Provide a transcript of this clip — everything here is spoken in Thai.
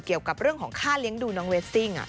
เกี่ยวกับเรื่องของค่าเลี้ยงดูน้องเรสซิ่ง